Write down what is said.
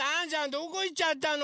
どこいっちゃったの？